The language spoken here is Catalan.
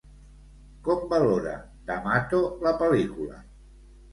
Com valora D'Amato la pel·lícula?